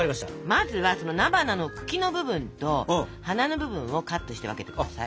まずは菜花の茎の部分と花の部分をカットして分けて下さい。